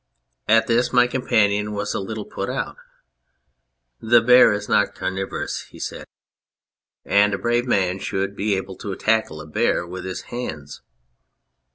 At this my companion was a little put out. " The bear is not carnivorous," he said, " and a brave man should be able to tackle a bear with his hands.